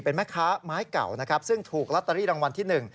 เป็นแม่ค้าไม้เก่านะครับซึ่งถูกลอตเตอรี่รางวัลที่๑